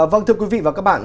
vâng thưa quý vị và các bạn